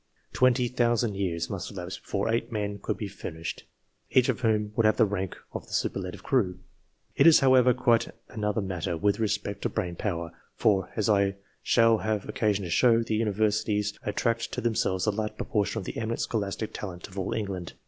Ten thousand years must elapse before eight men could be furnished, each of whom would have the rank of the superlative crew. It is, however, quite another matter with respect to brain power, for, as I shall have occasion to show, the Uni versities attract to themselves a large proportion of the eminent scholastic talent of all England.